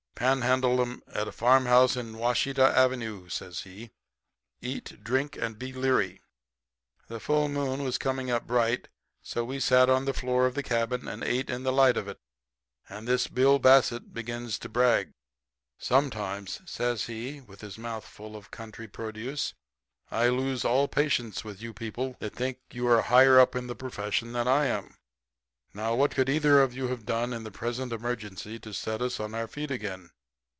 "'Panhandled 'em at a farmhouse on Washita Avenue,' says he. 'Eat, drink and be leary.' "The full moon was coming up bright, so we sat on the floor of the cabin and ate in the light of it. And this Bill Bassett begins to brag. "'Sometimes,' says he, with his mouth full of country produce, 'I lose all patience with you people that think you are higher up in the profession than I am. Now, what could either of you have done in the present emergency to set us on our feet again?